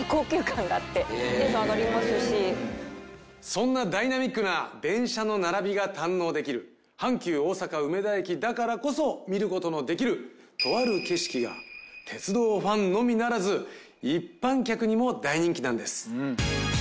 そんなダイナミックな電車の並びが堪能できる阪急大阪梅田駅だからこそ見る事のできるとある景色が鉄道ファンのみならず一般客にも大人気なんです。